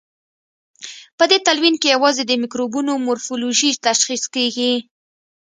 په دې تلوین کې یوازې د مکروبونو مورفولوژي تشخیص کیږي.